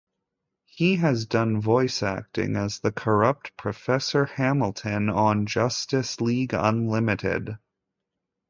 He has done voice acting as the corrupt Professor Hamilton on "Justice League Unlimited".